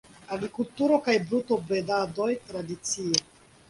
Agrikulturo kaj brutobredado tradicie.